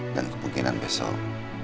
dan kemungkinan besok